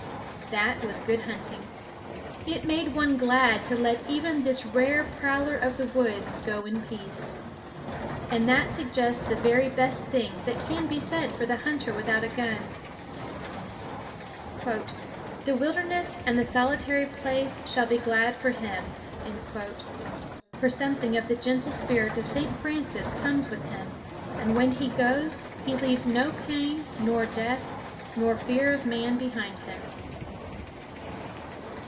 That was good hunting. It made one glad to let even this rare prowler of the woods go in peace. And that suggests the very best thing that can be said for the hunter without a gun: "The wilderness and the solitary place shall be glad for him," for something of the gentle spirit of Saint Francis comes with him, and when he goes he leaves no pain nor death nor fear of man behind him.